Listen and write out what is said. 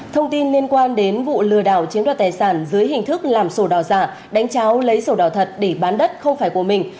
thông tin liên quan đến vụ lừa đảo chiếm đoạt tài sản dưới hình thức làm sổ đỏ giả đánh cháo lấy sổ đỏ thật để bán đất không phải của mình